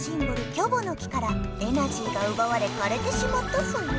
「キョボの木」からエナジーがうばわれかれてしまったソヨ。